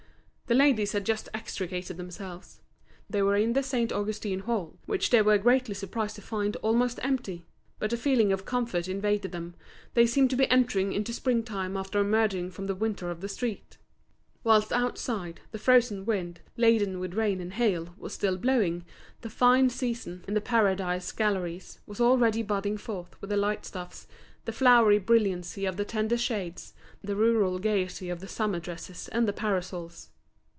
The ladies had just extricated themselves. They were in the Saint Augustin Hall, which they were greatly surprised to find almost empty. But a feeling of comfort invaded them, they seemed to be entering into spring time after emerging from the winter of the street. Whilst outside, the frozen wind, laden with rain and hail, was still blowing, the fine season, in The Paradise galleries, was already budding forth with the light stuffs, the flowery brilliancy of the tender shades, the rural gaiety of the summer dresses and the parasols.